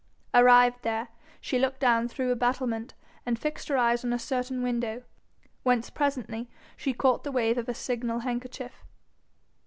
Arrived there, she looked down through a battlement, and fixed her eyes on a certain window, whence presently she caught the wave of a signal handkerchief.